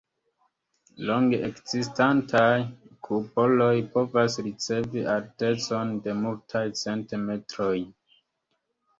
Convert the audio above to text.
Longe ekzistantaj kupoloj povas ricevi altecon de multaj cent metrojn.